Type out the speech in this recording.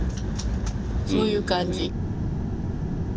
そういう感じ。